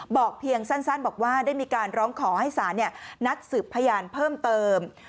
เพียงสั้นบอกว่าได้มีการร้องขอให้ศาลนัดสืบพยานเพิ่มเติม